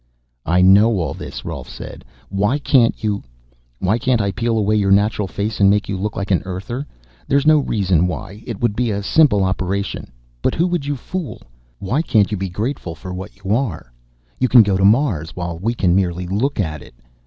"I know all this," Rolf said. "Why can't you " "Why can't I peel away your natural face and make you look like an Earther? There's no reason why; it would be a simple operation. But who would you fool? Why can't you be grateful for what you are? You can go to Mars, while we can merely look at it.